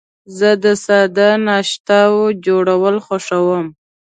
زه د ساده ناشتو جوړول خوښوم.